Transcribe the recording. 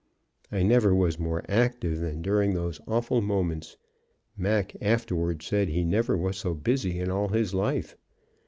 I never was more active than during those awful moments; Mac afterward said he never was so busy in all his life.